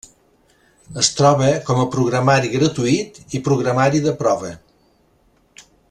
Es troba com a programari gratuït i programari de prova.